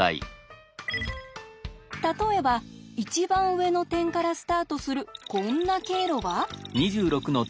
例えば一番上の点からスタートするこんな経路は？